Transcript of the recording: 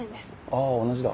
あ同じだ。